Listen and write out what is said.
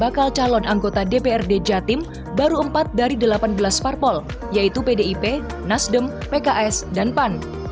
bakal calon anggota dprd jatim baru empat dari delapan belas parpol yaitu pdip nasdem pks dan pan